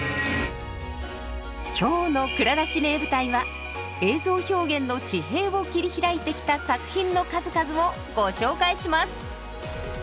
今日の「蔵出し！名舞台」は映像表現の地平を切り開いてきた作品の数々をご紹介します。